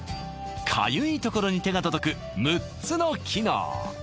かゆいところに手が届く６つの機能